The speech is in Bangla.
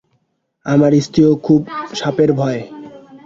আমার স্ত্রীরও খুব সাপের ভয়।